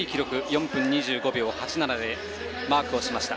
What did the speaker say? ４分２５秒８７をマークしました。